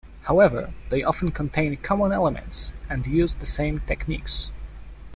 However, they often contain common elements and used the same techniques.